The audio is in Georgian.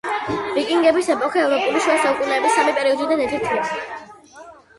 ვიკინგების ეპოქა ევროპული შუა საუკუნეების სამი პერიოდიდან ერთ-ერთია.